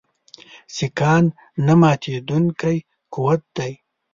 سیکهان نه ماتېدونکی قوت دی.